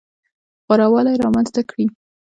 غوره والی رامنځته کړي.